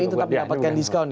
ini tetap mendapatkan diskon